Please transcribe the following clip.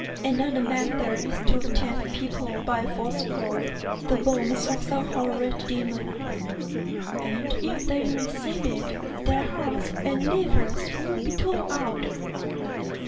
Another method is to tempt people by false gold, the bones of some horrid demon; and if they receive it, their hearts and livers will be torn out.